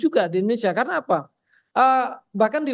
juga di indonesia karena apa bahkan di